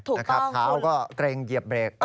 ถูกต้องถ้าเขาก็เกรงเหยียบเร่ง